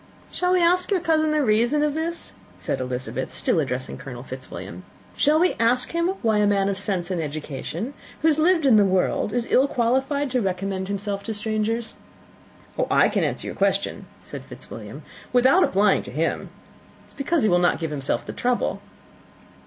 "Shall we ask your cousin the reason of this?" said Elizabeth, still addressing Colonel Fitzwilliam. "Shall we ask him why a man of sense and education, and who has lived in the world, is ill qualified to recommend himself to strangers?" "I can answer your question," said Fitzwilliam, "without applying to him. It is because he will not give himself the trouble."